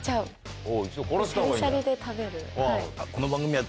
シャリシャリで食べる。